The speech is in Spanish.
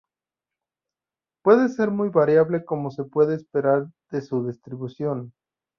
Puede ser muy variable como se puede esperar de su distribución.